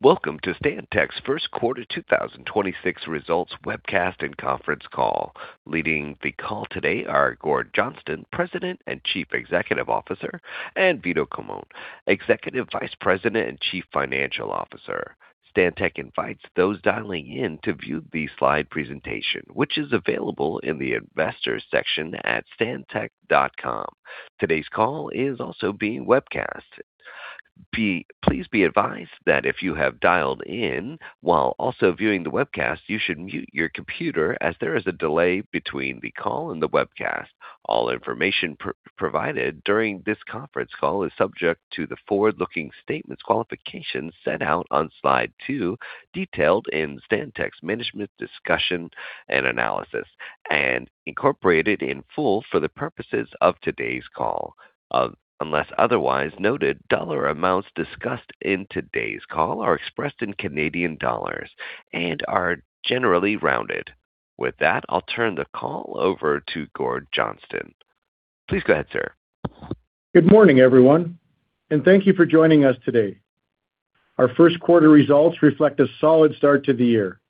Welcome to Stantec's first quarter 2026 results webcast and conference call. Leading the call today are Gord Johnston, President and Chief Executive Officer, and Vito Culmone, Executive Vice President and Chief Financial Officer. Stantec invites those dialing in to view the slide presentation, which is available in the investors section at stantec.com. Today's call is also being webcast. Please be advised that if you have dialed in while also viewing the webcast, you should mute your computer as there is a delay between the call and the webcast. All information provided during this conference call is subject to the forward-looking statements qualifications set out on slide two, detailed in Stantec's management discussion and analysis and incorporated in full for the purposes of today's call. Unless otherwise noted, dollar amounts discussed in today's call are expressed in Canadian dollars and are generally rounded. With that, I'll turn the call over to Gord Johnston. Please go ahead, sir. Good morning, everyone, and thank you for joining us today. Our first quarter results reflect a solid start to the year,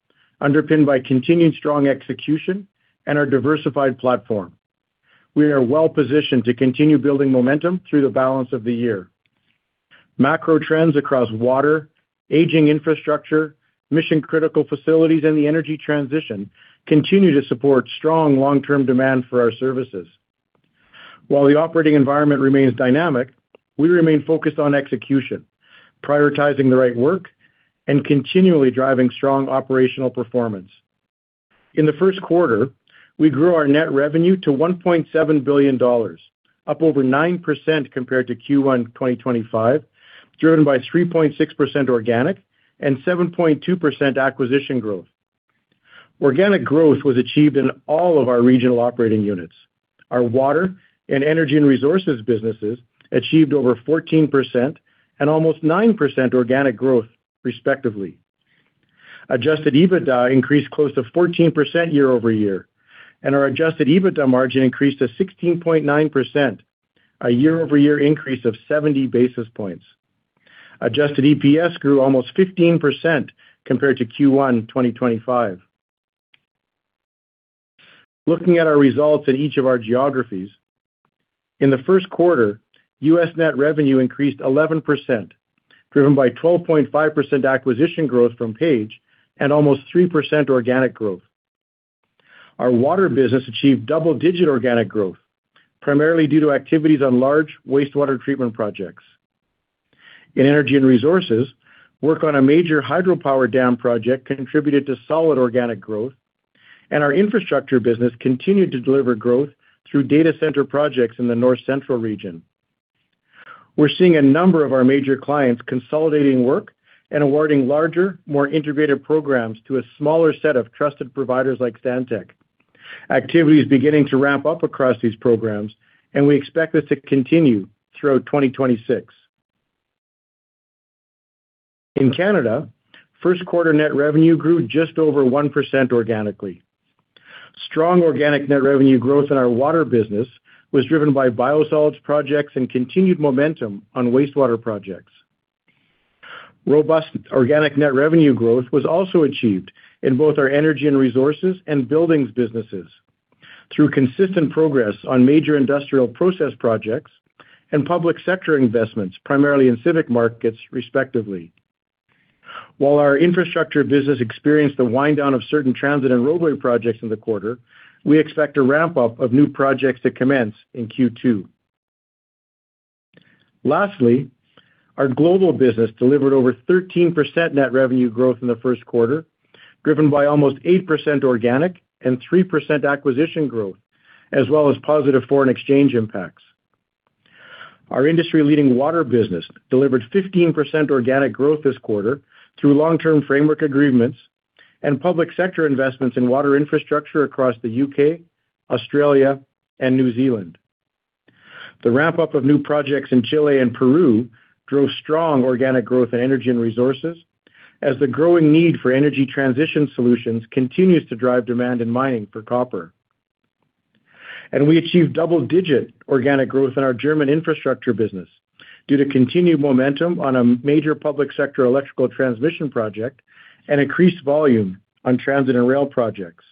underpinned by continued strong execution and our diversified platform. We are well-positioned to continue building momentum through the balance of the year. Macro trends across water, aging infrastructure, mission-critical facilities, and the energy transition continue to support strong long-term demand for our services. While the operating environment remains dynamic, we remain focused on execution, prioritizing the right work and continually driving strong operational performance. In the first quarter, we grew our net revenue to 1.7 billion dollars, up over 9% compared to Q1 2025, driven by 3.6% organic and 7.2% acquisition growth. Organic growth was achieved in all of our regional operating units. Our water and energy and resources businesses achieved over 14% and almost 9% organic growth, respectively. Adjusted EBITDA increased close to 14% year-over-year, and our adjusted EBITDA margin increased to 16.9%, a year-over-year increase of 70 basis points. Adjusted EPS grew almost 15% compared to Q1 2025. Looking at our results in each of our geographies, in the first quarter, U.S. net revenue increased 11%, driven by 12.5% acquisition growth from Page and almost 3% organic growth. Our water business achieved double-digit organic growth, primarily due to activities on large wastewater treatment projects. In energy and resources, work on a major hydropower dam project contributed to solid organic growth, and our infrastructure business continued to deliver growth through data center projects in the North Central region. We're seeing a number of our major clients consolidating work and awarding larger, more integrated programs to a smaller set of trusted providers like Stantec. Activity is beginning to ramp up across these programs, and we expect this to continue throughout 2026. In Canada, first quarter net revenue grew just over 1% organically. Strong organic net revenue growth in our water business was driven by biosolids projects and continued momentum on wastewater projects. Robust organic net revenue growth was also achieved in both our energy and resources and buildings businesses through consistent progress on major industrial process projects and public sector investments, primarily in civic markets, respectively. While our infrastructure business experienced the wind down of certain transit and roadway projects in the quarter, we expect a ramp-up of new projects to commence in Q2. Lastly, our global business delivered over 13% net revenue growth in the first quarter, driven by almost 8% organic and 3% acquisition growth, as well as positive foreign exchange impacts. Our industry-leading water business delivered 15% organic growth this quarter through long-term framework agreements and public sector investments in water infrastructure across the U.K., Australia, and New Zealand. The ramp-up of new projects in Chile and Peru drove strong organic growth in energy and resources as the growing need for energy transition solutions continues to drive demand in mining for copper. We achieved double-digit organic growth in our German infrastructure business due to continued momentum on a major public sector electrical transmission project and increased volume on transit and rail projects.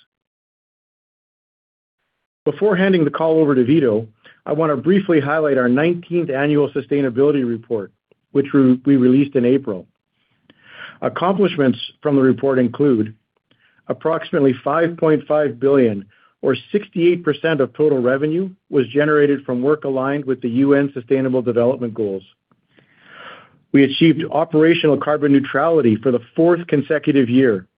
Before handing the call over to Vito, I wanna briefly highlight our 19th annual Sustainability Report, which we released in April. Accomplishments from the report include: approximately 5.5 billion or 68% of total revenue was generated from work aligned with the UN Sustainable Development Goals. We achieved operational carbon neutrality for the fourth consecutive year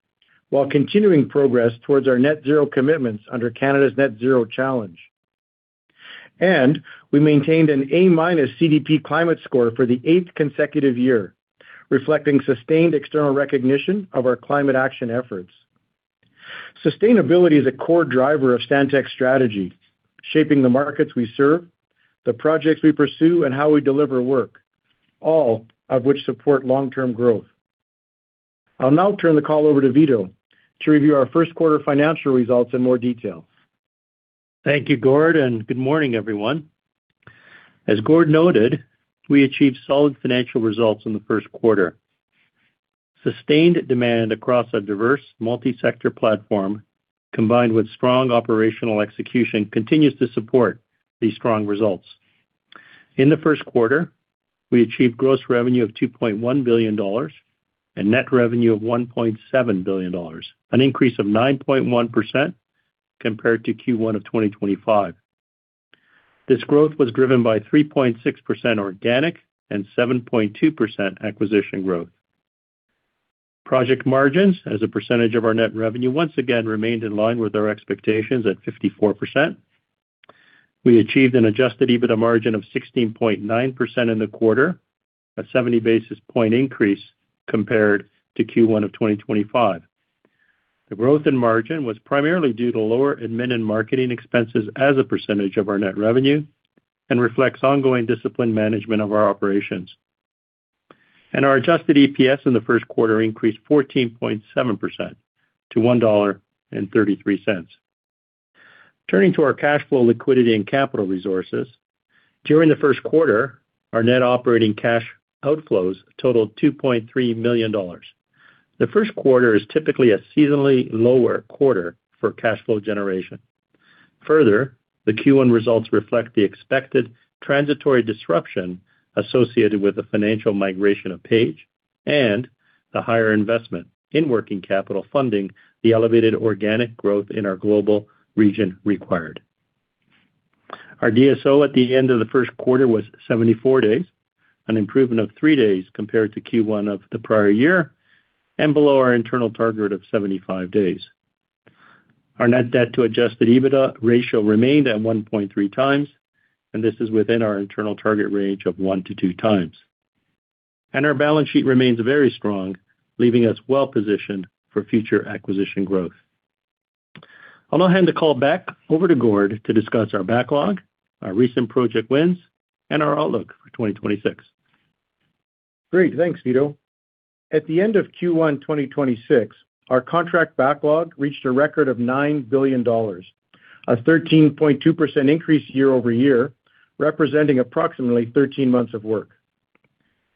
while continuing progress towards our net-zero commitments under Canada's Net-Zero Challenge. We maintained an A- CDP climate score for the eighth consecutive year, reflecting sustained external recognition of our climate action efforts. Sustainability is a core driver of Stantec's strategy, shaping the markets we serve, the projects we pursue, and how we deliver work, all of which support long-term growth. I'll now turn the call over to Vito to review our first quarter financial results in more detail. Thank you, Gord. Good morning, everyone. As Gord noted, we achieved solid financial results in the first quarter. Sustained demand across a diverse multi-sector platform, combined with strong operational execution, continues to support these strong results. In the first quarter, we achieved gross revenue of 2.1 billion dollars and net revenue of 1.7 billion dollars, an increase of 9.1% compared to Q1 of 2025. This growth was driven by 3.6% organic and 7.2% acquisition growth. Project margins as a percentage of our net revenue once again remained in line with our expectations at 54%. We achieved an adjusted EBITDA margin of 16.9% in the quarter, a 70 basis point increase compared to Q1 of 2025. The growth in margin was primarily due to lower admin and marketing expenses as a percentage of our net revenue and reflects ongoing disciplined management of our operations. Our adjusted EPS in the first quarter increased 14.7% to 1.33 dollar. Turning to our cash flow liquidity and capital resources. During the first quarter, our net operating cash outflows totaled 2.3 million dollars. The first quarter is typically a seasonally lower quarter for cash flow generation. Further, the Q1 results reflect the expected transitory disruption associated with the financial migration of Page and the higher investment in working capital funding the elevated organic growth in our global region required. Our DSO at the end of the first quarter was 74 days, an improvement of three days compared to Q1 of the prior year and below our internal target of 75 days. Our net debt to adjusted EBITDA ratio remained at 1.3x. This is within our internal target range of 1x-2x. Our balance sheet remains very strong, leaving us well-positioned for future acquisition growth. I'll now hand the call back over to Gord to discuss our backlog, our recent project wins, and our outlook for 2026. Great. Thanks, Vito. At the end of Q1 2026, our contract backlog reached a record of 9 billion dollars, a 13.2% increase year-over-year, representing approximately 13 months of work.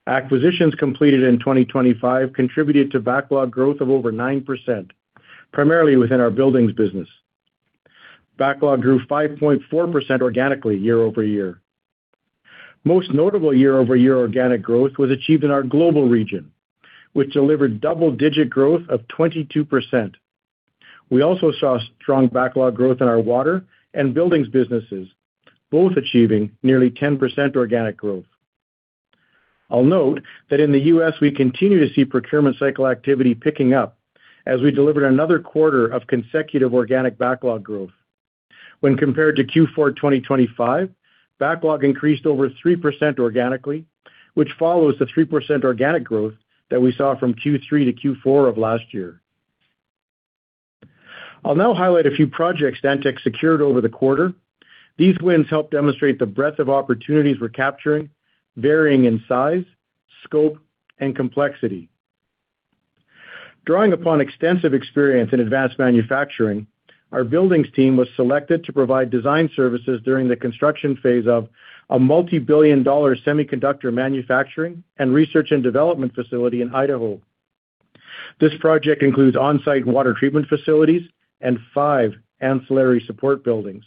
Acquisitions completed in 2025 contributed to backlog growth of over 9%, primarily within our buildings business. Backlog grew 5.4% organically year-over-year. Most notable year-over-year organic growth was achieved in our global region, which delivered double-digit growth of 22%. We also saw strong backlog growth in our water and buildings businesses, both achieving nearly 10% organic growth. I'll note that in the U.S. we continue to see procurement cycle activity picking up as we delivered another quarter of consecutive organic backlog growth. When compared to Q4 2025, backlog increased over 3% organically, which follows the 3% organic growth that we saw from Q3 to Q4 of last year. I'll now highlight a few projects Stantec secured over the quarter. These wins help demonstrate the breadth of opportunities we're capturing, varying in size, scope, and complexity. Drawing upon extensive experience in advanced manufacturing, our buildings team was selected to provide design services during the construction phase of a multi-billion dollar semiconductor manufacturing and research and development facility in Idaho. This project includes on-site water treatment facilities and five ancillary support buildings.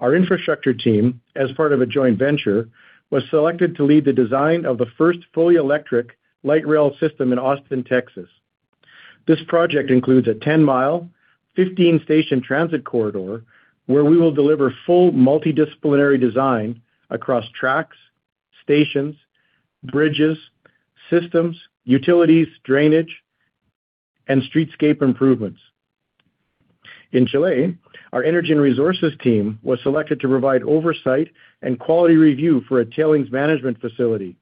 Our infrastructure team, as part of a joint venture, was selected to lead the design of the first fully electric light rail system in Austin, Texas. This project includes a 10-mile, 15-station transit corridor where we will deliver full multidisciplinary design across tracks, stations, bridges, systems, utilities, drainage, and streetscape improvements. In Chile, our energy and resources team was selected to provide oversight and quality review for a tailings management facility,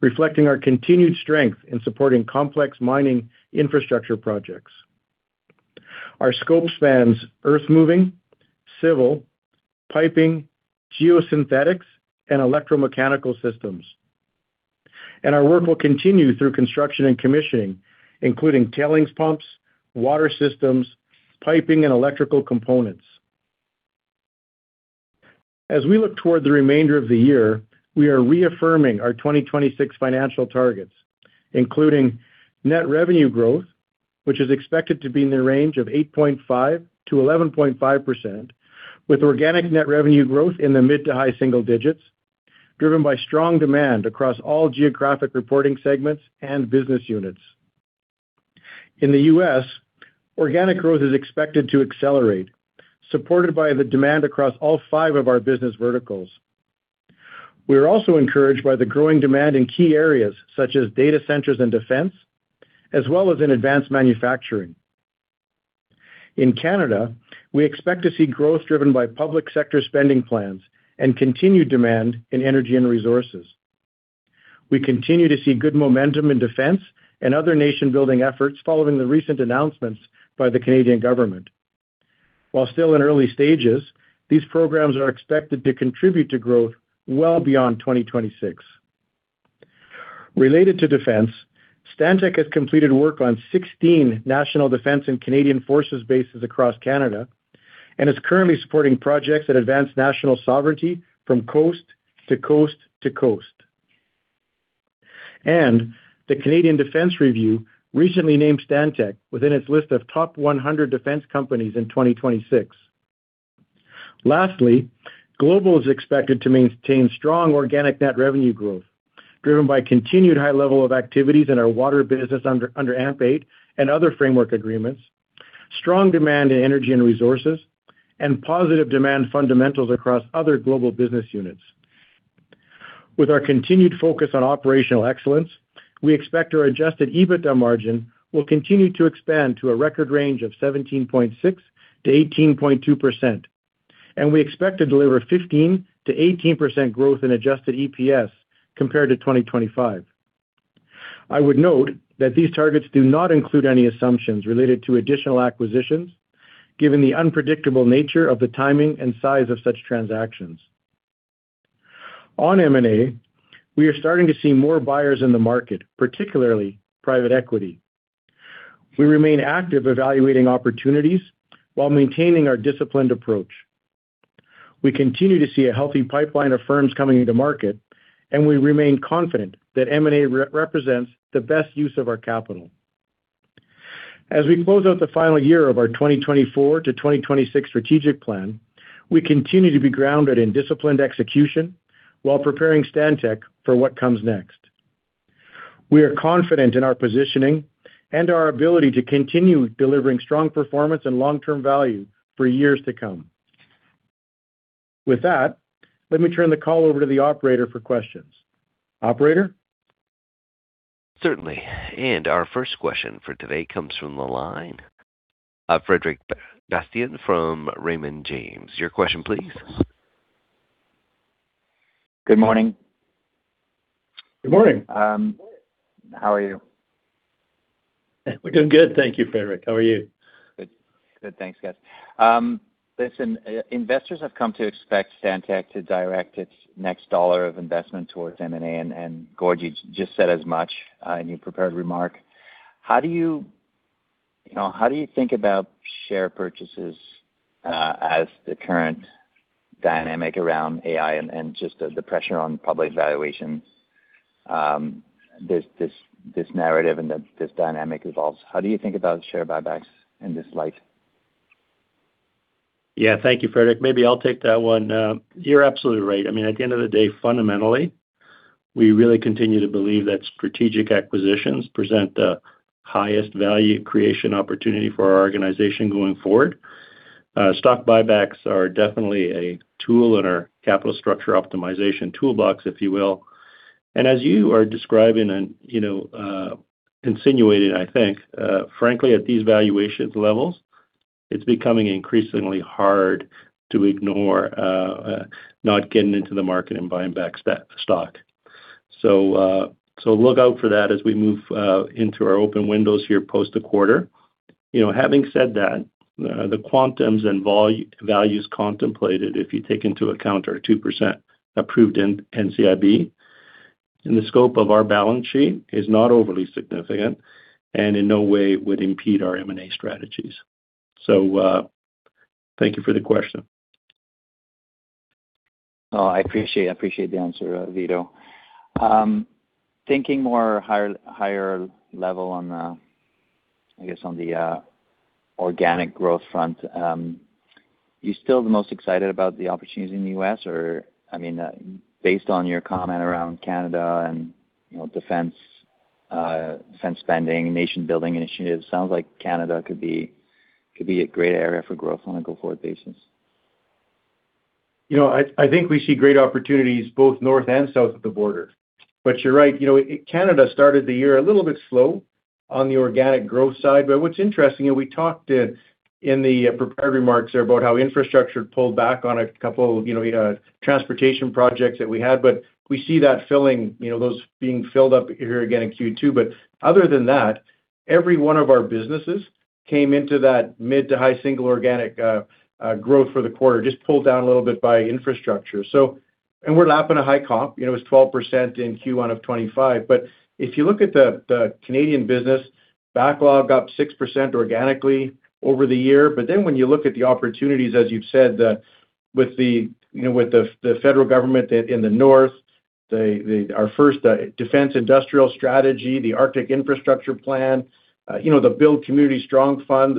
reflecting our continued strength in supporting complex mining infrastructure projects. Our scope spans earth moving, civil, piping, geosynthetics, and electromechanical systems. Our work will continue through construction and commissioning, including tailings pumps, water systems, piping, and electrical components. As we look toward the remainder of the year, we are reaffirming our 2026 financial targets, including net revenue growth, which is expected to be in the range of 8.5%-11.5%, with organic net revenue growth in the mid to high single digits, driven by strong demand across all geographic reporting segments and business units. In the U.S., organic growth is expected to accelerate, supported by the demand across all five of our business verticals. We are also encouraged by the growing demand in key areas such as data centers and defense, as well as in advanced manufacturing. In Canada, we expect to see growth driven by public sector spending plans and continued demand in energy and resources. We continue to see good momentum in defense and other nation-building efforts following the recent announcements by the Canadian government. While still in early stages, these programs are expected to contribute to growth well beyond 2026. Related to defense, Stantec has completed work on 16 national defense and Canadian forces bases across Canada, and is currently supporting projects that advance national sovereignty from coast to coast to coast. The Canadian Defence Review recently named Stantec within its list of top 100 defense companies in 2026. Lastly, global is expected to maintain strong organic net revenue growth, driven by continued high level of activities in our water business under AMP8 and other framework agreements, strong demand in energy and resources, and positive demand fundamentals across other global business units. With our continued focus on operational excellence, we expect our adjusted EBITDA margin will continue to expand to a record range of 17.6%-18.2%, and we expect to deliver 15%-18% growth in adjusted EPS compared to 2025. I would note that these targets do not include any assumptions related to additional acquisitions, given the unpredictable nature of the timing and size of such transactions. On M&A, we are starting to see more buyers in the market, particularly private equity. We remain active evaluating opportunities while maintaining our disciplined approach. We continue to see a healthy pipeline of firms coming into market. We remain confident that M&A represents the best use of our capital. As we close out the final year of our 2024 to 2026 strategic plan, we continue to be grounded in disciplined execution while preparing Stantec for what comes next. We are confident in our positioning and our ability to continue delivering strong performance and long-term value for years to come. With that, let me turn the call over to the operator for questions. Operator? Certainly. Our first question for today comes from the line of Frederic Bastien from Raymond James. Your question please. Good morning. Good morning. How are you? We're doing good. Thank you, Frederic. How are you? Good. Good. Thanks, guys. Listen, investors have come to expect Stantec to direct its next dollar of investment towards M&A, and Gord, you just said as much in your prepared remark. You know, how do you think about share purchases as the current dynamic around AI and just the pressure on public valuations, this narrative and this dynamic evolves? How do you think about share buybacks in this light? Yeah. Thank you, Frederic. Maybe I'll take that one. You're absolutely right. I mean, at the end of the day, fundamentally, we really continue to believe that strategic acquisitions present the highest value creation opportunity for our organization going forward. Stock buybacks are definitely a tool in our capital structure optimization toolbox, if you will. As you are describing and, you know, insinuating, I think, frankly, at these valuations levels, it's becoming increasingly hard to ignore not getting into the market and buying back stock. Look out for that as we move into our open windows here post the quarter. You know, having said that, the quantums and values contemplated, if you take into account our 2% approved in NCIB, in the scope of our balance sheet, is not overly significant and in no way would impede our M&A strategies. Thank you for the question. I appreciate the answer, Vito. Thinking more higher level on, I guess, on the organic growth front, you still the most excited about the opportunities in the U.S. or, I mean, based on your comment around Canada and, you know, defense spending, nation-building initiatives, sounds like Canada could be a great area for growth on a go-forward basis? You know, I think we see great opportunities both north and south of the border. You're right, you know, Canada started the year a little bit slow on the organic growth side. What's interesting, and we talked in the prepared remarks there about how infrastructure pulled back on a couple, you know, transportation projects that we had. We see that filling, you know, those being filled up here again in Q2. Other than that, every one of our businesses came into that mid to high single organic growth for the quarter, just pulled down a little bit by infrastructure. We're lapping a high comp, you know, it was 12% in Q1 of 2025. If you look at the Canadian business, backlog up 6% organically over the year. When you look at the opportunities, as you've said, the, with the, you know, with the federal government that in the North, the, our first defense industrial strategy, the Arctic Infrastructure Fund, you know, the Build Communities Strong Fund.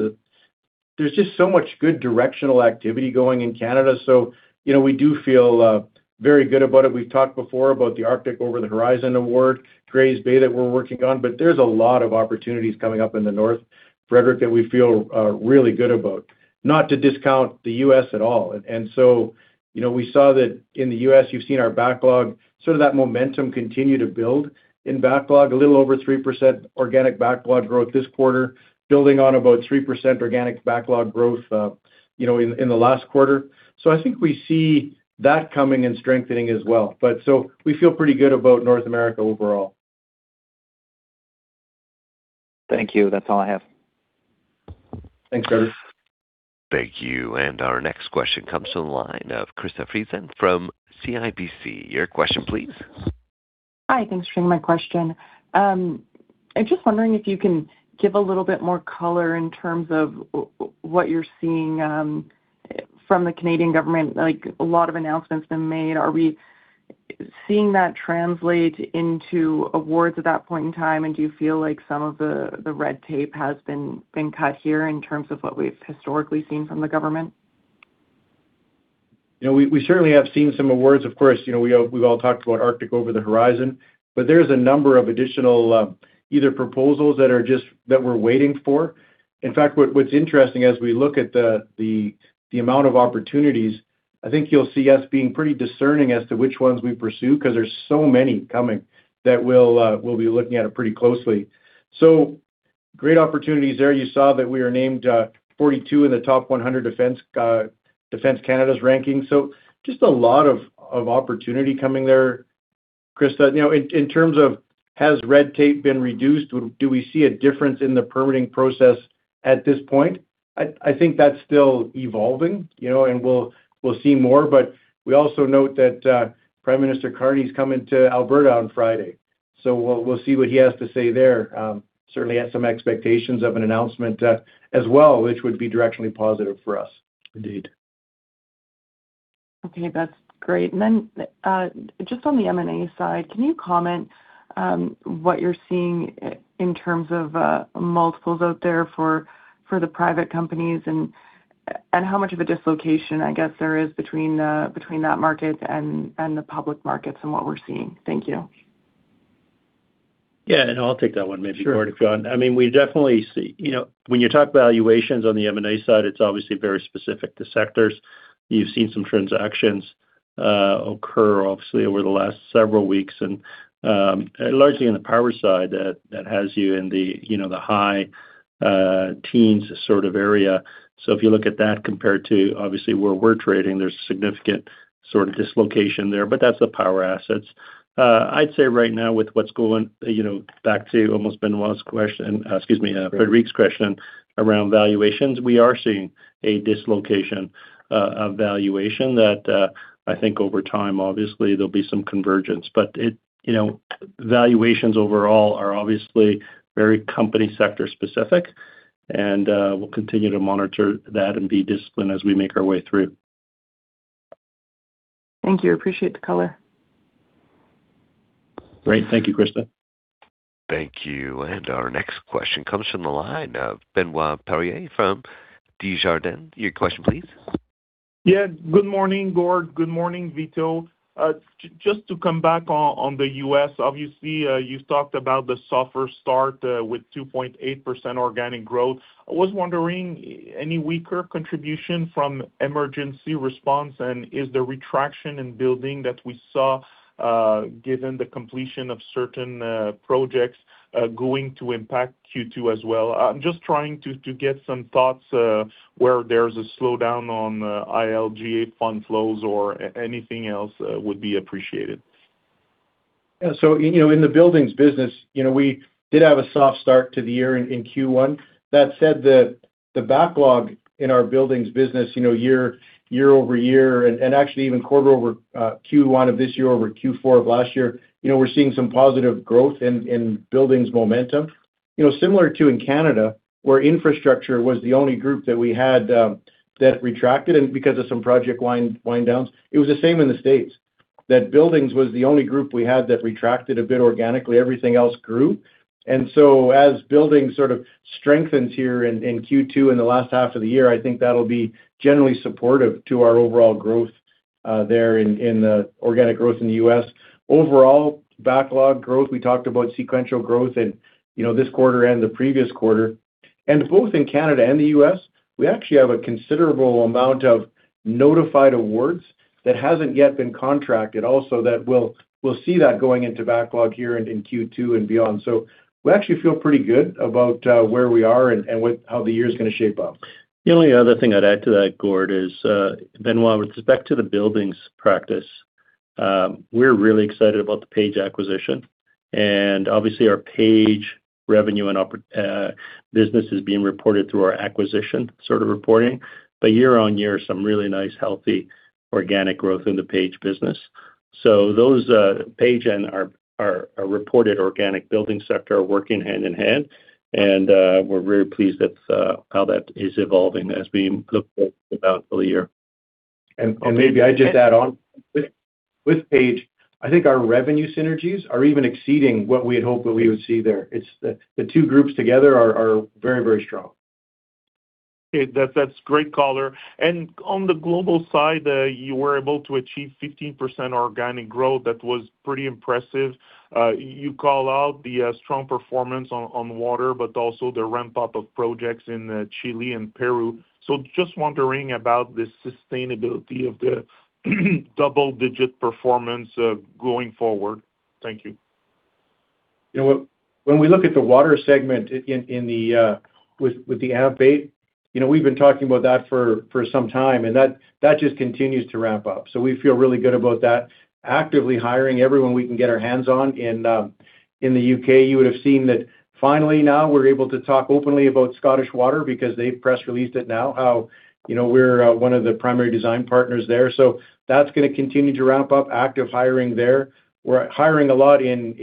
There's just so much good directional activity going in Canada. You know, we do feel very good about it. We've talked before about the Arctic Over-the-Horizon Radar that we're working on, but there's a lot of opportunities coming up in the North, Frederic, that we feel really good about. Not to discount the U.S. at all. You know, we saw that in the U.S., you've seen our backlog, sort of that momentum continue to build in backlog, a little over 3% organic backlog growth this quarter, building on about 3% organic backlog growth, you know, in the last quarter. I think we see that coming and strengthening as well. We feel pretty good about North America overall. Thank you. That's all I have. Thanks, Frederic. Thank you. Our next question comes from the line of Krista Friesen from CIBC. Your question please. Hi. Thanks for taking my question. I'm just wondering if you can give a little bit more color in terms of what you're seeing from the Canadian government. Like, a lot of announcements have been made. Are we seeing that translate into awards at that point in time? Do you feel like some of the red tape has been cut here in terms of what we've historically seen from the government? You know, we certainly have seen some awards. You know, we've all talked about Arctic Over-the-Horizon Radar, there's a number of additional either proposals that we're waiting for. In fact, what's interesting as we look at the amount of opportunities, I think you'll see us being pretty discerning as to which ones we pursue because there's so many coming that we'll be looking at it pretty closely. Great opportunities there. You saw that we are named 42 in the top 100 Defense Canada's ranking. Just a lot of opportunity coming there. Krista, you know, in terms of has red tape been reduced, do we see a difference in the permitting process at this point? I think that's still evolving, you know, and we'll see more. We also note that Prime Minister Carney's coming to Alberta on Friday, we'll see what he has to say there. We certainly have some expectations of an announcement as well, which would be directionally positive for us. Indeed. Okay, that's great. Just on the M&A side, can you comment what you're seeing in terms of multiples out there for the private companies and how much of a dislocation, I guess, there is between that market and the public markets and what we're seeing? Thank you. Yeah, I'll take that one maybe, Gord, if you want. Sure. I mean, we definitely see You know, when you talk valuations on the M&A side, it's obviously very specific to sectors. You've seen some transactions occur obviously over the last several weeks and, largely on the power side that has you in the, you know, the high teens sort of area. If you look at that compared to obviously where we're trading, there's significant sort of dislocation there, but that's the power assets. I'd say right now with what's going, you know, back to almost Benoit's question, excuse me, Frederic's question around valuations, we are seeing a dislocation of valuation that I think over time, obviously, there'll be some convergence. Valuations overall are obviously very company sector specific and we'll continue to monitor that and be disciplined as we make our way through. Thank you. Appreciate the color. Great. Thank you, Krista. Thank you. Our next question comes from the line of Benoit Poirier from Desjardins. Your question please. Good morning, Gord. Good morning, Vito. Just to come back on the U.S., obviously, you've talked about the softer start with 2.8% organic growth. I was wondering, any weaker contribution from emergency response? Is the retraction in building that we saw, given the completion of certain projects, going to impact Q2 as well? I'm just trying to get some thoughts, where there's a slowdown on IIJA fund flows or anything else, would be appreciated. Yeah. You know, in the buildings business, you know, we did have a soft start to the year in Q1. That said, the backlog in our buildings business, you know, year-over-year, and actually even quarter over Q1 of this year over Q4 of last year, you know, we're seeing some positive growth in buildings momentum. You know, similar to in Canada, where infrastructure was the only group that we had that retracted and because of some project wind downs, it was the same in the U.S., that buildings was the only group we had that retracted a bit organically. Everything else grew. As building sort of strengthens here in Q2 in the last half of the year, I think that'll be generally supportive to our overall growth there in the organic growth in the U.S. Overall, backlog growth, we talked about sequential growth in, you know, this quarter and the previous quarter. Both in Canada and the U.S., we actually have a considerable amount of notified awards that hasn't yet been contracted also that we'll see that going into backlog here in Q2 and beyond. We actually feel pretty good about where we are and how the year is gonna shape up. The only other thing I'd add to that, Gord, is Benoit, with respect to the buildings practice, we're really excited about the Page acquisition. Obviously, our Page revenue and business is being reported through our acquisition sort of reporting. Year-on-year, some really nice healthy organic growth in the Page business. Those, Page and our reported organic building sector are working hand in hand, and we're very pleased with how that is evolving as we look forward to the full year. Maybe I just add on. With Page, I think our revenue synergies are even exceeding what we had hoped that we would see there. It's the two groups together are very, very strong. Okay. That's great color. On the global side, you were able to achieve 15% organic growth. That was pretty impressive. You call out the strong performance on water, but also the ramp-up of projects in Chile and Peru. Just wondering about the sustainability of the double-digit performance going forward. Thank you. You know what? When we look at the water segment in the, with the AMP8, you know, we've been talking about that for some time, that just continues to ramp up. We feel really good about that. Actively hiring everyone we can get our hands on in the U.K. You would have seen that finally now we're able to talk openly about Scottish Water because they've press released it now, how, you know, we're one of the primary design partners there. That's going to continue to ramp up active hiring there. We're hiring a lot in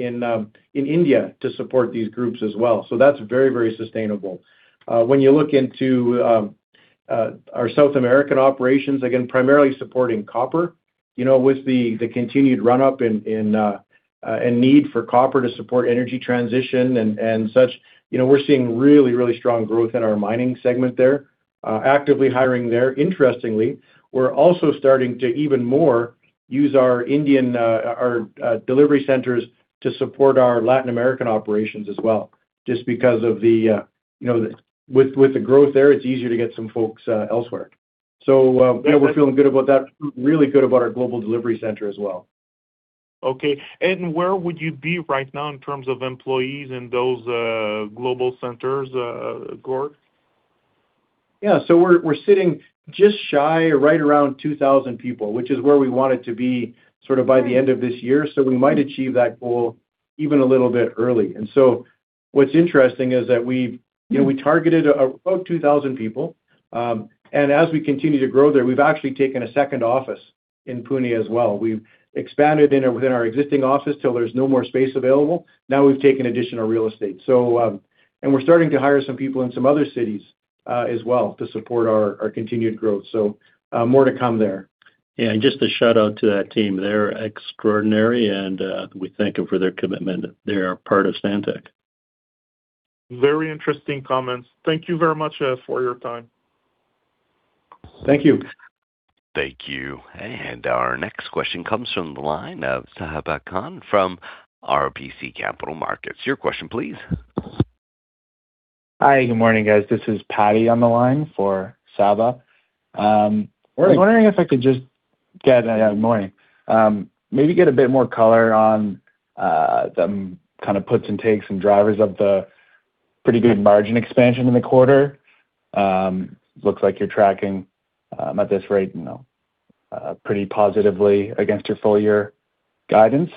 India to support these groups as well. That's very sustainable. When you look into our South American operations, again, primarily supporting copper, you know, with the continued run-up in and need for copper to support energy transition and such. You know, we're seeing really strong growth in our mining segment there. Actively hiring there. Interestingly, we're also starting to even more use our Indian delivery centers to support our Latin American operations as well, just because of the, you know, with the growth there, it's easier to get some folks elsewhere. Yeah, we're feeling good about that, really good about our global delivery center as well. Okay. Where would you be right now in terms of employees in those global centers, Gord? We're sitting just shy, right around 2,000 people, which is where we wanted to be sort of by the end of this year. We might achieve that goal even a little bit early. What's interesting is that we've, you know, we targeted about 2,000 people. As we continue to grow there, we've actually taken a second office in Pune as well. We've expanded within our existing office till there's no more space available. Now we've taken additional real estate. We're starting to hire some people in some other cities as well to support our continued growth. More to come there. Yeah. Just a shout-out to that team. They're extraordinary, and we thank them for their commitment. They are part of Stantec. Very interesting comments. Thank you very much for your time. Thank you. Thank you. Our next question comes from the line of Sabahat Khan from RBC Capital Markets. Your question, please. Hi, good morning, guys. This is Patty on the line for Sabah. Morning. Good morning. Maybe get a bit more color on the kind of puts and takes and drivers of the pretty good margin expansion in the quarter. Looks like you're tracking, at this rate, you know, pretty positively against your full year guidance.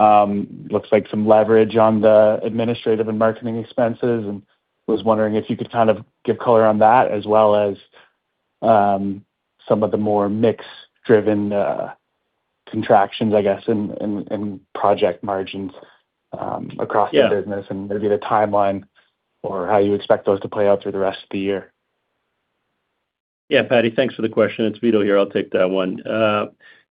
Looks like some leverage on the administrative and marketing expenses. Was wondering if you could kind of give color on that as well as some of the more mix-driven contractions, I guess, in project margins... Yeah ...across the business and maybe the timeline or how you expect those to play out through the rest of the year. Yeah, Patty, thanks for the question. It's Vito here. I'll take that one.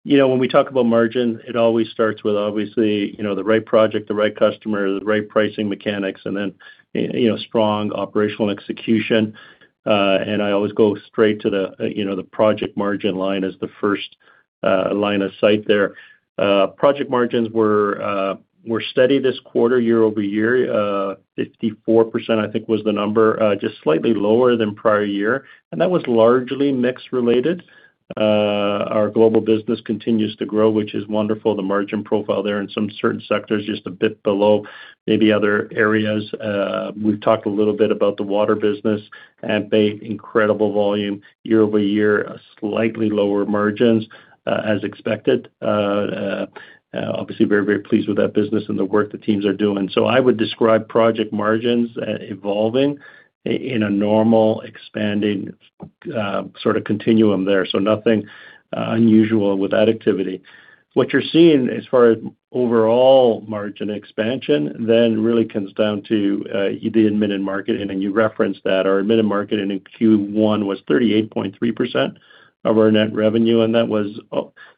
You know, when we talk about margin, it always starts with obviously, you know, the right project, the right customer, the right pricing mechanics, and then, you know, strong operational execution. And I always go straight to the, you know, the project margin line as the first line of sight there. Project margins were steady this quarter, year-over-year. 54%, I think, was the number, just slightly lower than prior year, and that was largely mix related. Our global business continues to grow, which is wonderful. The margin profile there in some certain sectors, just a bit below maybe other areas. We've talked a little bit about the water business AMP8, incredible volume year-over-year, slightly lower margins, as expected, obviously very pleased with that business and the work the teams are doing. I would describe project margins evolving in a normal expanding sort of continuum there. Nothing unusual with that activity. What you're seeing as far as overall margin expansion then really comes down to the admin and marketing, and you referenced that. Our admin and marketing in Q1 was 38.3% of our net revenue, and that was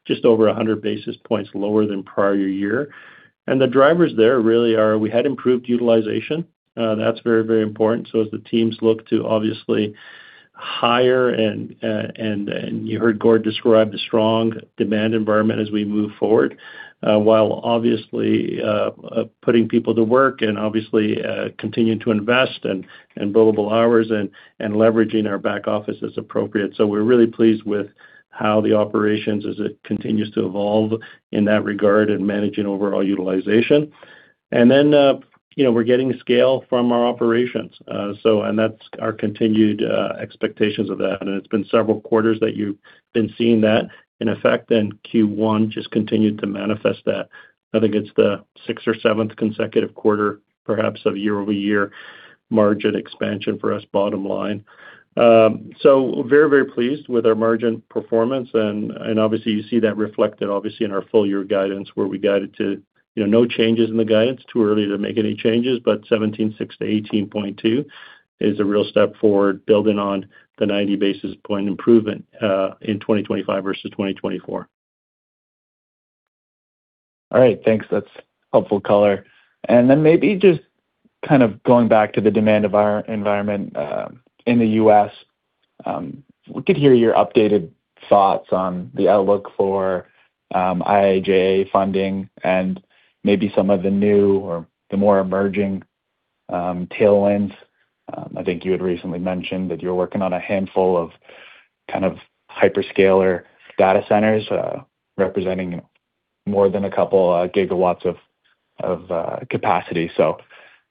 just over 100 basis points lower than prior year. The drivers there really are we had improved utilization. That's very important. As the teams look to obviously hire, you heard Gord Johnston describe the strong demand environment as we move forward, while obviously putting people to work and obviously continuing to invest in billable hours and leveraging our back office as appropriate. We're really pleased with how the operations as it continues to evolve in that regard and managing overall utilization. You know, we're getting scale from our operations. That's our continued expectations of that. It's been several quarters that you've been seeing that in effect, and Q1 just continued to manifest that. I think it's the sixth or seventh consecutive quarter, perhaps of year-over-year margin expansion for us, bottom line. Very, very pleased with our margin performance. Obviously, you see that reflected obviously in our full year guidance where we guided to, you know, no changes in the guidance. Too early to make any changes, but 17.6% to 18.2% is a real step forward, building on the 90 basis point improvement in 2025 versus 2024. All right. Thanks. That's helpful color. Maybe just kind of going back to the demand of our environment in the U.S., we could hear your updated thoughts on the outlook for IIJA funding and maybe some of the new or the more emerging tailwinds. I think you had recently mentioned that you're working on a handful of kind of hyperscaler data centers, representing more than a couple of gigawatts of capacity.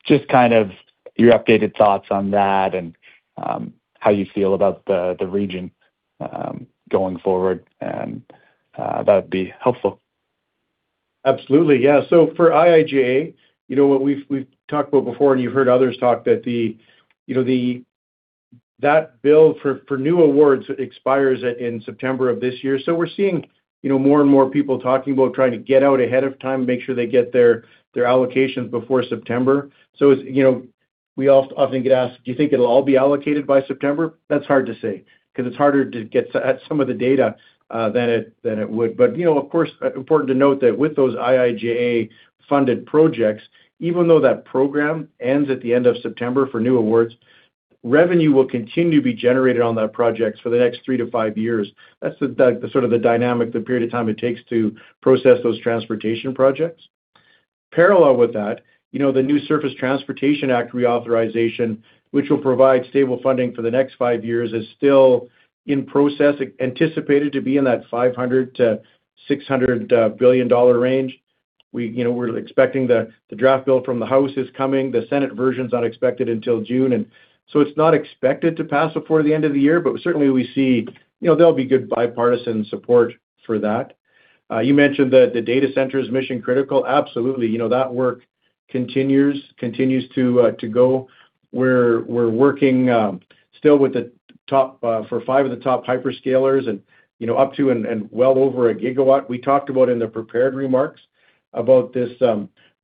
Just kind of your updated thoughts on that and how you feel about the region going forward, that'd be helpful. Absolutely. Yeah. For IIJA, you know, what we've talked about before, and you've heard others talk that, you know, that bill for new awards expires in September of this year. We're seeing, you know, more and more people talking about trying to get out ahead of time, make sure they get their allocations before September. It's, you know, we often get asked, "Do you think it'll all be allocated by September?" That's hard to say 'cause it's harder to get at some of the data than it would. Of course, important to note that with those IIJA-funded projects, even though that program ends at the end of September for new awards, revenue will continue to be generated on that project for the next three to five years. That's the sort of the dynamic, the period of time it takes to process those transportation projects. Parallel with that, you know, the new Surface Transportation Act reauthorization, which will provide stable funding for the next five years, is still in process, anticipated to be in that 500 billion-600 billion dollar range. We, you know, we're expecting the draft bill from the House is coming. The Senate version's not expected until June. It's not expected to pass before the end of the year, but certainly we see, you know, there'll be good bipartisan support for that. You mentioned the data centers mission critical. Absolutely. You know, that work continues to go. We're working still with the top for five of the top hyperscalers and, you know, up to and well over a gigawatt. We talked about in the prepared remarks about this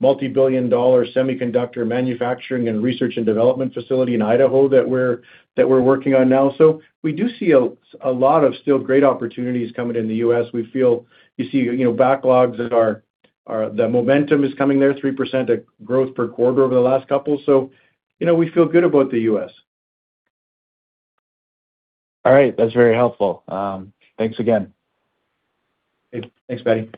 multi-billion dollar semiconductor manufacturing and research and development facility in Idaho that we're working on now. We do see a lot of still great opportunities coming in the U.S. We feel, you see, you know, The momentum is coming there, 3% of growth per quarter over the last couple. You know, we feel good about the U.S. All right. That's very helpful. Thanks again. Thanks, Patty.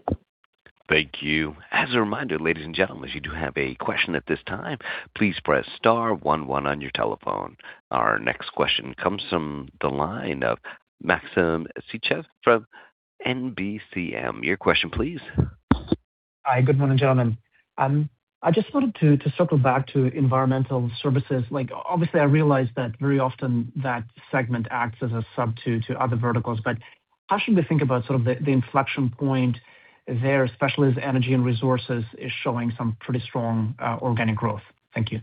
Thank you. As a reminder, ladies and gentlemen, if you do have a question at this time, please press star one one on your telephone. Our next question comes from the line of Maxim Sytchev from NBCM. Your question please. Hi, good morning, gentlemen. I just wanted to circle back to environmental services. Like, obviously, I realize that very often that segment acts as a sub to other verticals, but how should we think about sort of the inflection point there, especially as energy and resources is showing some pretty strong organic growth? Thank you.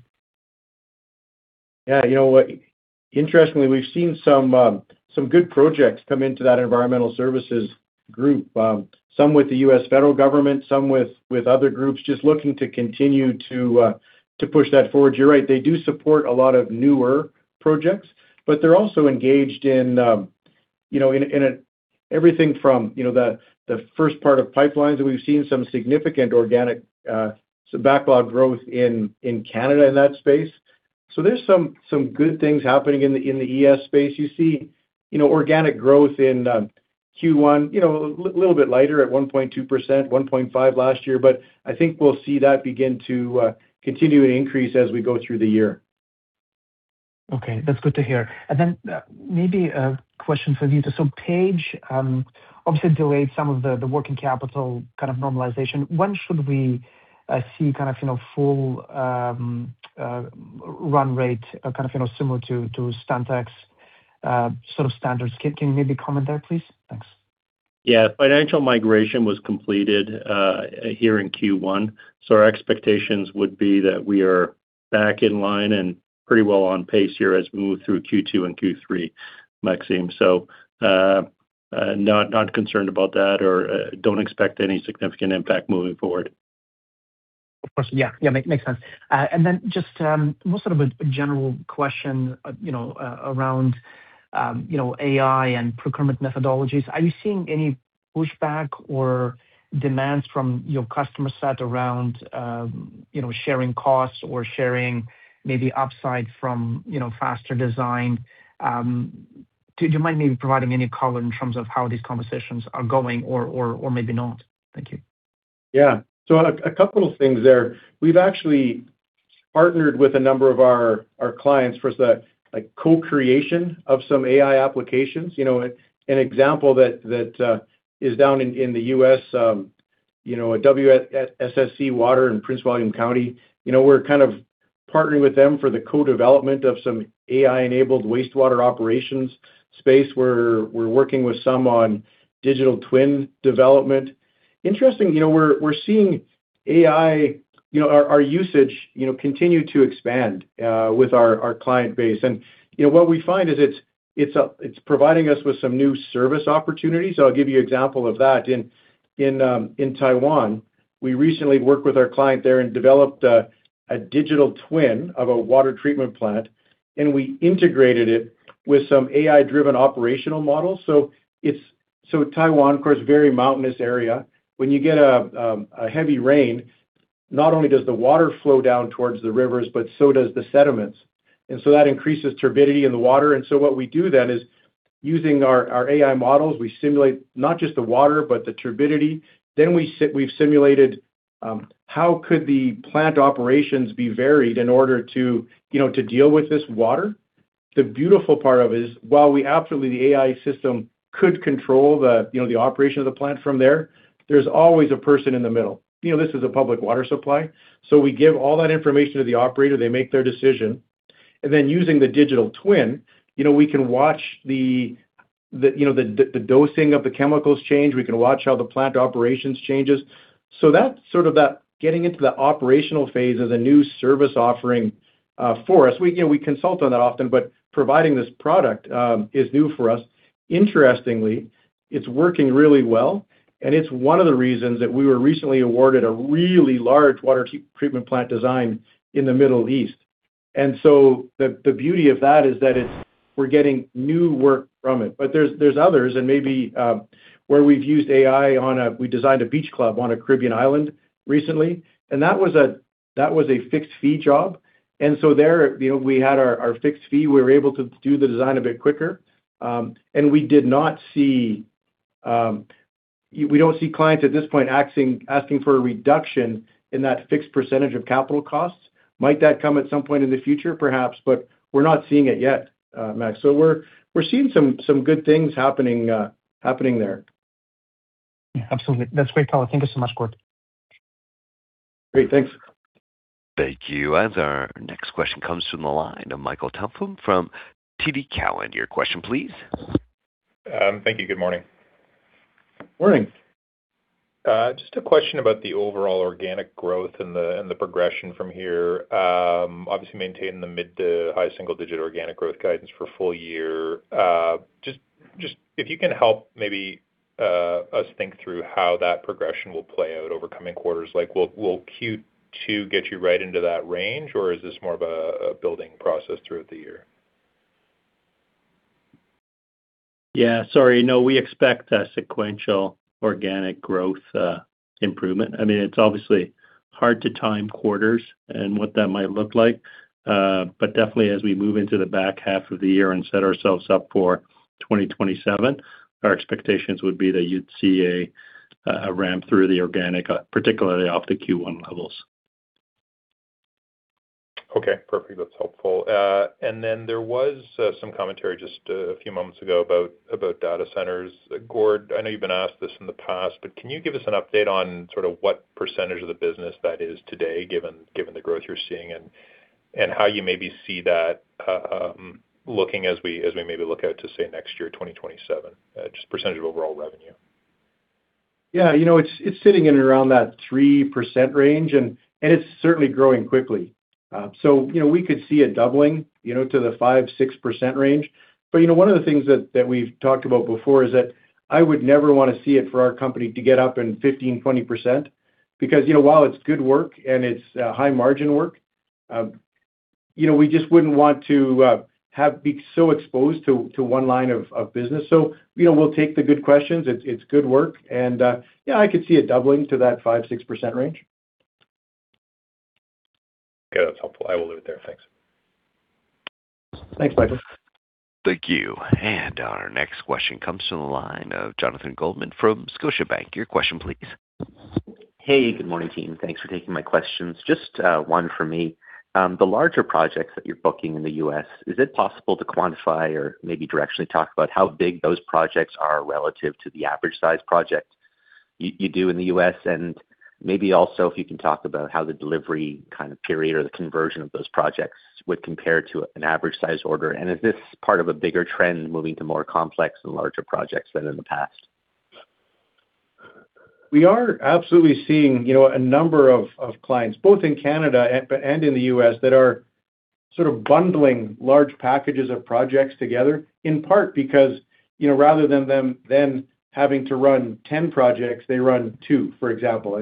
You know what? Interestingly, we've seen some good projects come into that Environmental Services group, some with the U.S. federal government, some with other groups, just looking to continue to push that forward. You're right, they do support a lot of newer projects, but they're also engaged in, you know, everything from, you know, the first part of pipelines that we've seen some significant organic, some backlog growth in Canada in that space. There's some good things happening in the ES space. You see, you know, organic growth in Q1, you know, little bit lighter at 1.2%, 1.5% last year, but I think we'll see that begin to continue to increase as we go through the year. Okay, that's good to hear. Maybe a question for you too. Page obviously delayed some of the working capital kind of normalization. When should we see kind of, you know, full run rate, kind of, you know, similar to Stantec's sort of standards? Can you maybe comment there, please? Thanks. Yeah. Financial migration was completed here in Q1, so our expectations would be that we are back in line and pretty well on pace here as we move through Q2 and Q3, Maxim. Not concerned about that or don't expect any significant impact moving forward. Of course. Makes sense. Then just more sort of a general question, you know, around, you know, AI and procurement methodologies. Are you seeing any pushback or demands from your customer set around, you know, sharing costs or sharing maybe upside from, you know, faster design? Do you mind maybe providing any color in terms of how these conversations are going or maybe not? Thank you. Yeah. A couple of things there. We've actually partnered with a number of our clients for the like co-creation of some AI applications. You know, an example that is down in the U.S., you know, at WSSC Water in Prince William County. You know, we're kind of partnering with them for the co-development of some AI-enabled wastewater operations space. We're working with some on digital twin development. Interesting, you know, we're seeing AI, you know, our usage, you know, continue to expand with our client base. You know, what we find is it's providing us with some new service opportunities. I'll give you example of that. In Taiwan, we recently worked with our client there and developed a digital twin of a water treatment plant, and we integrated it with some AI-driven operational models. Taiwan, of course, very mountainous area. When you get a heavy rain, not only does the water flow down towards the rivers, but so does the sediments. That increases turbidity in the water. What we do then is, using our AI models, we simulate not just the water, but the turbidity. How could the plant operations be varied in order to, you know, to deal with this water? The beautiful part of it is while we absolutely, the AI system could control the, you know, the operation of the plant from there's always a person in the middle. You know, this is a public water supply, so we give all that information to the operator, they make their decision. Then using the digital twin, you know, we can watch the dosing of the chemicals change, we can watch how the plant operations changes. That's sort of that getting into the operational phase as a new service offering for us. We, you know, consult on that often, but providing this product is new for us. Interestingly, it's working really well, and it's one of the reasons that we were recently awarded a really large water treatment plant design in the Middle East. The beauty of that is that we're getting new work from it. There's others and maybe, where we've used AI. We designed a beach club on one Caribbean island recently, and that was a fixed fee job. There, you know, we had our fixed fee. We were able to do the design a bit quicker. We did not see, we don't see clients at this point asking for a reduction in that fixed percentage of capital costs. Might that come at some point in the future perhaps, but we're not seeing it yet, Max. We're seeing some good things happening there. Yeah, absolutely. That's great color. Thank you so much, Gord. Great. Thanks. Thank you. Our next question comes from the line of Michael Tupholme from TD Cowen. Your question please. Thank you. Good morning. Morning. Just a question about the overall organic growth and the progression from here. Obviously maintaining the mid to high single-digit organic growth guidance for full year. Just if you can help us think through how that progression will play out over coming quarters, like will Q2 get you right into that range, or is this more of a building process throughout the year? Yeah. Sorry, no, we expect a sequential organic growth improvement. I mean, it's obviously hard to time quarters and what that might look like. Definitely as we move into the back half of the year and set ourselves up for 2027, our expectations would be that you'd see a ramp through the organic, particularly off the Q1 levels. Okay. Perfect. That's helpful. Then there was some commentary just a few moments ago about data centers. Gord, I know you've been asked this in the past, but can you give us an update on sort of what percentage of the business that is today, given the growth you're seeing and how you maybe see that looking as we maybe look out to, say, next year, 2027, just percentage of overall revenue? Yeah, you know, it's sitting in and around that 3% range, and it's certainly growing quickly. You know, we could see it doubling, you know, to the 5%-6% range. You know, one of the things that we've talked about before is that I would never wanna see it for our company to get up in 15%-20% because, you know, while it's good work and it's high margin work, you know, we just wouldn't want to be so exposed to one line of business. You know, we'll take the good questions. It's good work and, yeah, I could see it doubling to that 5%-6% range. Okay. That's helpful. I will leave it there. Thanks. Thanks, Michael. Thank you. Our next question comes from the line of Jonathan Goldman from Scotiabank. Your question please. Hey, good morning, team. Thanks for taking my questions. Just one for me. The larger projects that you're booking in the U.S., is it possible to quantify or maybe directionally talk about how big those projects are relative to the average size project you do in the U.S.? Maybe also if you can talk about how the delivery kind of period or the conversion of those projects would compare to an average size order. Is this part of a bigger trend moving to more complex and larger projects than in the past? We are absolutely seeing a number of clients, both in Canada and in the U.S. that are sort of bundling large packages of projects together, in part because rather than them then having to run 10 projects, they run two, for example.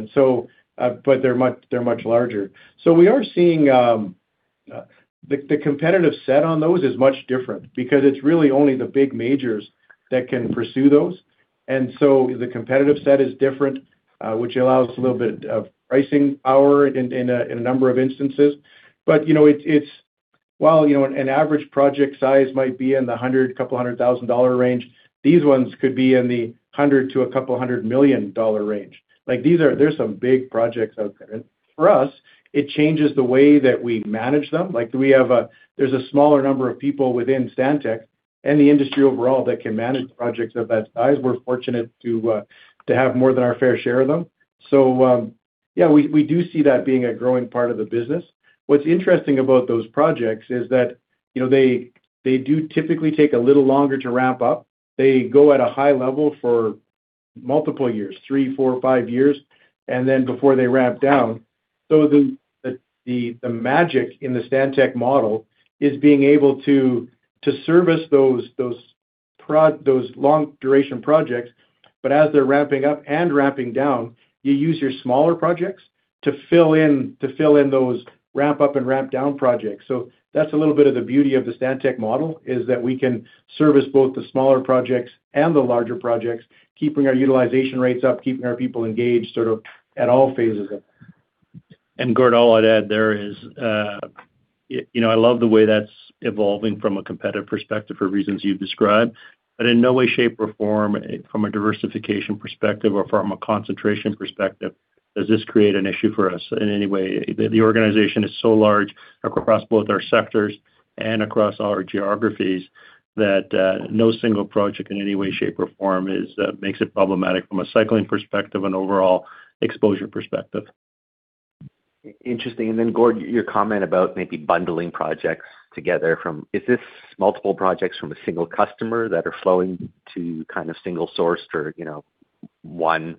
But they're much larger. We are seeing the competitive set on those is much different because it's really only the big majors that can pursue those. The competitive set is different, which allows a little bit of pricing power in a number of instances. It's while an average project size might be in the 100 thousand, couple hundred thousand CAD range, these ones could be in the 100 million to a couple hundred million CAD range. There's some big projects out there. For us, it changes the way that we manage them. We have, there's a smaller number of people within Stantec and the industry overall that can manage projects of that size. We're fortunate to have more than our fair share of them. We do see that being a growing part of the business. What's interesting about those projects is that, you know, they do typically take a little longer to ramp up. They go at a high level for multiple years, three, four, five years, before they ramp down. The magic in the Stantec model is being able to service those long duration projects, but as they're ramping up and ramping down, you use your smaller projects to fill in those ramp up and ramp down projects. That's a little bit of the beauty of the Stantec model, is that we can service both the smaller projects and the larger projects, keeping our utilization rates up, keeping our people engaged sort of at all phases of. Gord, all I'd add there is, you know, I love the way that's evolving from a competitive perspective for reasons you've described, in no way, shape, or form from a diversification perspective or from a concentration perspective does this create an issue for us in any way. The organization is so large across both our sectors and across our geographies that no single project in any way, shape, or form is makes it problematic from a cycling perspective and overall exposure perspective. Interesting. Gord, your comment about maybe bundling projects together. Is this multiple projects from a single customer that are flowing to kind of single source for, you know?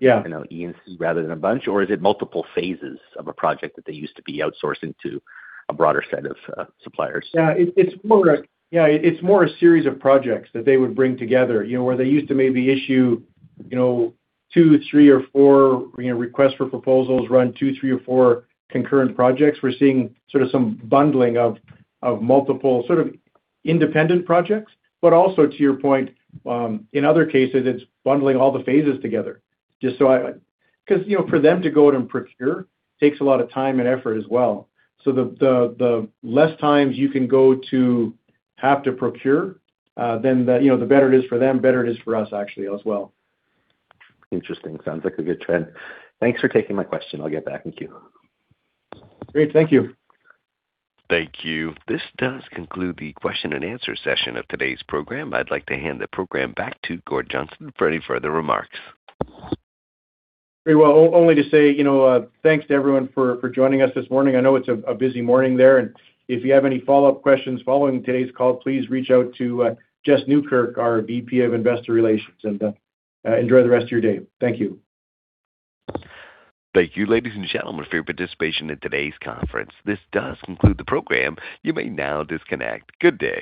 Yeah You know, E&C rather than a bunch, or is it multiple phases of a project that they used to be outsourcing to a broader set of suppliers? Yeah, it's more a series of projects that they would bring together, you know, where they used to maybe issue, you know, two, three or four requests for proposals, run two, three or four concurrent projects. We're seeing sort of some bundling of multiple sort of independent projects, but also to your point, in other cases it's bundling all the phases together. 'Cause, you know, for them to go out and procure takes a lot of time and effort as well. The less times you can go to have to procure, then the, you know, the better it is for them, better it is for us actually as well. Interesting. Sounds like a good trend. Thanks for taking my question. I'll get back. Thank you. Great. Thank you. Thank you. This does conclude the question and answer session of today's program. I'd like to hand the program back to Gord Johnston for any further remarks. Very well. Only to say, you know, thanks to everyone for joining us this morning. I know it's a busy morning there. If you have any follow-up questions following today's call, please reach out to Jess Nieukerk, our VP of Investor Relations. Enjoy the rest of your day. Thank you. Thank you, ladies and gentlemen, for your participation in today's conference. This does conclude the program. You may now disconnect. Good day.